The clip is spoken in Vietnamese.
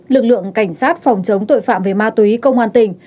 lực lượng cảnh sát phòng chống tội phạm về ma túy công an tỉnh